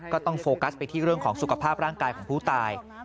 ต้องโฟกัสไปที่เรื่องของสุขภาพร่างกายของผู้ตาย